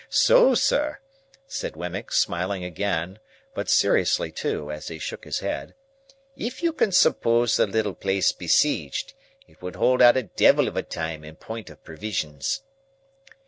So, sir," said Wemmick, smiling again, but seriously too, as he shook his head, "if you can suppose the little place besieged, it would hold out a devil of a time in point of provisions."